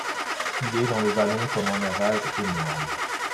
Il est dans le vallon comme en un vase énorme